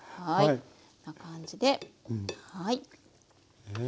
こんな感じではい。